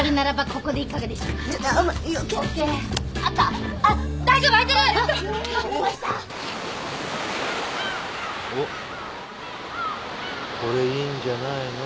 これいいんじゃないの？